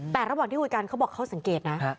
แต่ระหว่างที่คุยกันเขาบอกเขาสังเกตนะ